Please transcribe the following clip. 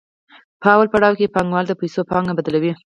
په لومړي پړاو کې پانګوال د پیسو پانګه بدلوي